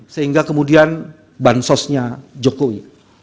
sehingga kemudian bansosnya jokowi